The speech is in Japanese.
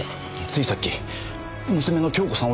ついさっき娘の亨子さん